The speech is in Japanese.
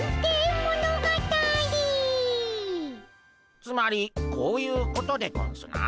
つまりこういうことでゴンスな？